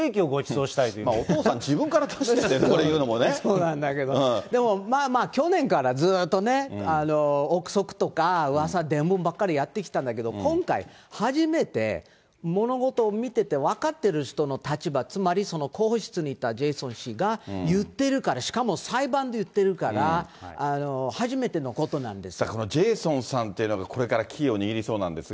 お父さん、そうなんだけど、でもまあまあ、去年からずっとね、臆測とかうわさ、伝聞ばっかりやって来たんだけど、今回、初めて物事を見てて、分かっている人の立場、つまり、広報室にいたジェイソン氏が言ってるから、しかも裁判で言っていこのジェイソンさんというのが、これからキーを握りそうなんですが。